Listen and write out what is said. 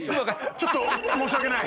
ちょっと申し訳ない。